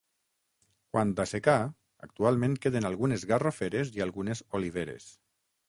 Quant a secà, actualment queden algunes garroferes i algunes oliveres.